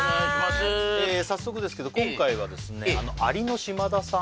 す早速ですけど今回はですねアリの島田さん